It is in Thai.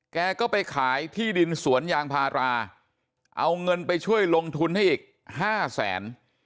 แกก็ไปขายที่ดินสวนยางพาราเอาเงินไปช่วยลงทุนให้อีกห้าแสน